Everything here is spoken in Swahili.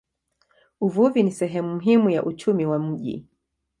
Uvuvi ni sehemu muhimu ya uchumi wa mji.